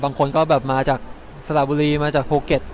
บางคนก็แบบมาจากสระบุรีมาจากภูเก็ต